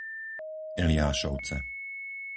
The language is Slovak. Eliášovce